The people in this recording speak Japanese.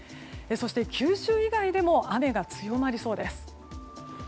そして九州以外でも雨が強まりそうです。